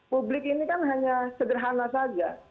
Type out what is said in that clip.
publik ini kan hanya sederhana saja